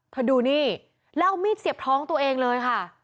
ดูนี่แล้วเอามีดเสียบท้องตัวเองเลยค่ะ